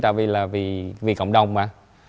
tại vì là vì cộng đồng mà